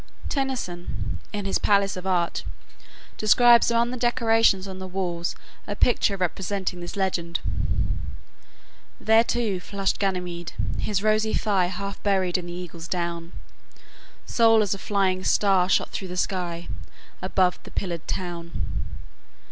Tennyson, in his "Palace of Art," describes among the decorations on the walls a picture representing this legend: "There, too, flushed Ganymede, his rosy thigh Half buried in the eagle's down, Sole as a flying star shot through the sky Above the pillared town."